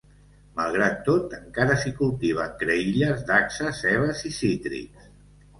Malgrat tot, encara s'hi cultiven creïlles, dacsa, cebes i cítrics.